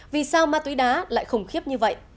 vì sao ma túy đá lại khủng khiếp như vậy